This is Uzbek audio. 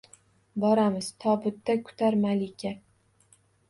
Boramiz… Tobutda kutar malika.